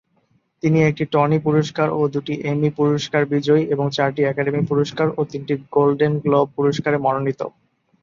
তিনি একটি টনি পুরস্কার ও দুটি এমি পুরস্কার বিজয়ী এবং চারটি একাডেমি পুরস্কার ও তিনটি গোল্ডেন গ্লোব পুরস্কারে মনোনীত।